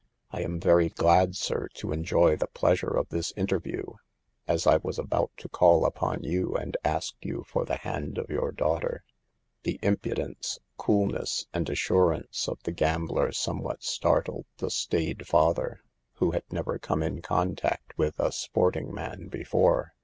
I am very glad, sir, to enjoy the pleasure of this inter view, as I was about to call upon you and ask you for the hand of your daughter." ^ The impudence, coolness and assurance of the gambler somewhat startled the staid father, : wno had never come in contact with a sporting man before.